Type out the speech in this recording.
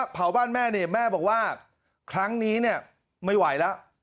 เผาบ้านแม่แม่บอกว่าครั้งนี้ไม่ไหวแล้ว